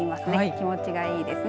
気持ちがいいですね。